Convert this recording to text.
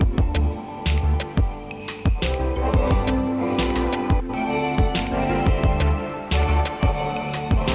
jadi kalau pertanyaan itu